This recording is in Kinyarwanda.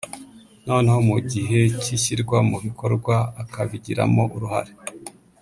noneho no mu gihe cy’ishyirwa mu bikorwa akabigiramo uruhare